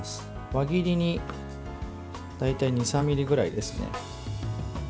輪切りに大体２３ｍｍぐらいですね。